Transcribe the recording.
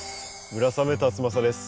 村雨辰剛です。